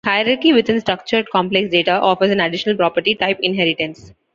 Hierarchy within structured complex data offers an additional property, type inheritance.